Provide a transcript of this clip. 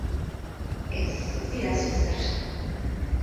Ez, ez didazu ezer esan.